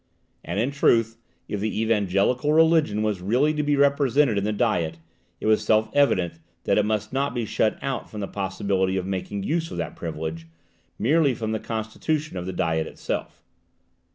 And in truth, if the evangelical religion was really to be represented in the Diet, it was self evident that it must not be shut out from the possibility of making use of that privilege, merely from the constitution of the Diet itself.